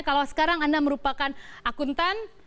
kalau sekarang anda merupakan akuntan